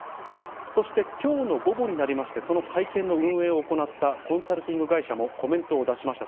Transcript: そしてきょうの午後になりまして、その会見の運営を行ったコンサルティング会社もコメントを出しました。